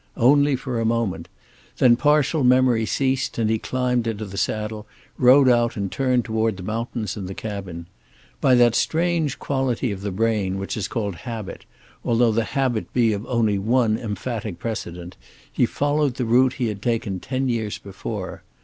Only for a moment. Then partial memory ceased, and he climbed into the saddle, rode out and turned toward the mountains and the cabin. By that strange quality of the brain which is called habit, although the habit be of only one emphatic precedent, he followed the route he had taken ten years before.